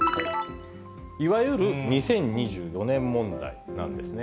いわゆる２０２４年問題なんですね。